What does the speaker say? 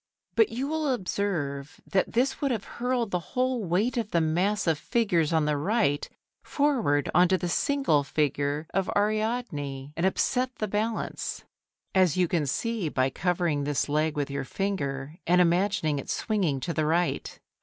But you will observe that this would have hurled the whole weight of the mass of figures on the right, forward on to the single figure of Ariadne, and upset the balance; as you can see by covering this leg with your finger and imagining it swinging to the right.